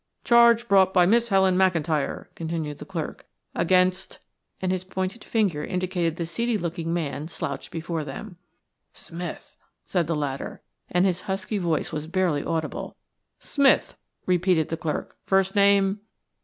"Charge brought by Miss Helen McIntyre," continued the clerk, "against " and his pointed finger indicated the seedy looking man slouching before them. "Smith," said the latter, and his husky voice was barely audible. "Smith," repeated the clerk. "First name